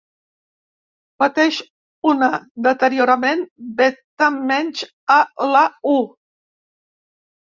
Pateix una deteriorament beta-menys a la U.